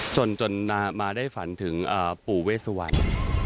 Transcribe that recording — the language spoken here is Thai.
จนมาได้ฝันถึงปู่เวสวรรค์